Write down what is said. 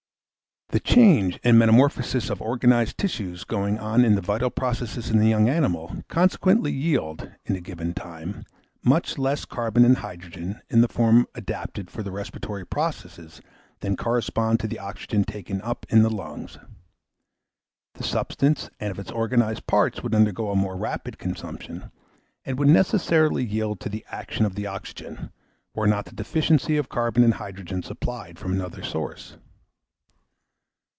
The change and metamorphosis of organised tissues going on in the vital process in the young animal, consequently yield, in a given time, much less carbon and hydrogen in the form adapted for the respiratory process than correspond to the oxygen taken up in the lungs. The substance of its organised parts would undergo a more rapid consumption, and would necessarily yield to the action of the oxygen, were not the deficiency of carbon and hydrogen supplied from another source.